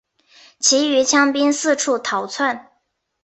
其余羌兵四处逃窜。